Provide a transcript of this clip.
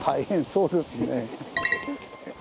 そうですね。